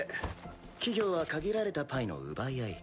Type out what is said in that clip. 企業は限られたパイの奪い合い。